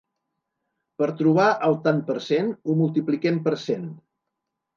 Per trobar el tant per cent, ho multipliquem per cent.